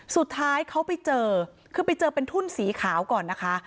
สุดท้ายเขาไปเจอคือไปเจอเป็นทุ่นสีขาวก่อนนะคะ